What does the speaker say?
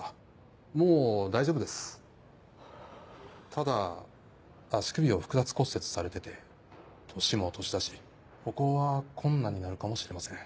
ただ足首を複雑骨折されてて年も年だし歩行は困難になるかもしれません。